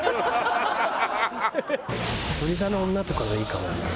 『さそり座の女』とかがいいかもな。